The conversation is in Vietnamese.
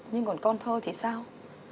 nhưng còn con thơ thì sao